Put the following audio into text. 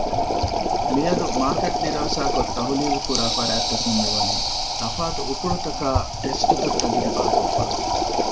މިއަދު މާރކެޓް ދިރާސާކޮށް ތަޙްލީލުކުރާ ފަރާތްތަކުން މިވަނީ ތަފާތު އުކުޅުތަކާއި ޓެސްޓްތައް ތަޖުރިބާކޮށްފަ